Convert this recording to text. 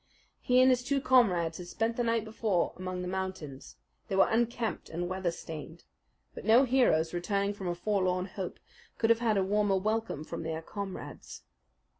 He and his two comrades had spent the night before among the mountains. They were unkempt and weather stained. But no heroes, returning from a forlorn hope, could have had a warmer welcome from their comrades.